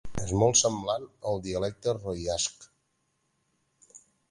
És molt semblant al dialecte roiasc.